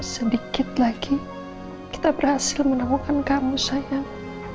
sedikit lagi kita berhasil menemukan kamu sayang